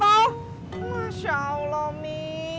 masya allah mi